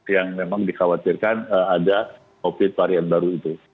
yang memang dikhawatirkan ada covid varian baru itu